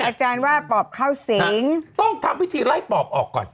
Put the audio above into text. อาจารย์ว่าปอบเข้าสิงต้องทำพิธีไล่ปอบออกก่อน